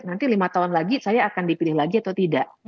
nanti lima tahun lagi saya akan dipilih lagi atau tidak